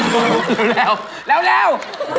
เร็วเร็วเร็ว